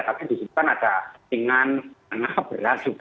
tapi disitu kan ada tingan berat juga